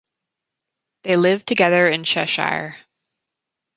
They live together in Cheshire.